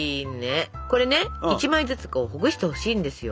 これね１枚ずつほぐしてほしいんですよ。